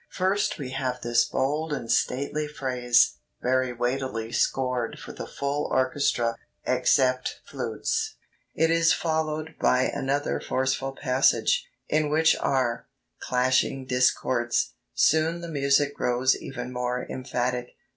First we have this bold and stately phrase, very weightily scored for the full orchestra, except flutes. It is followed by another forceful passage," in which are "clashing discords.... Soon the music grows even more emphatic....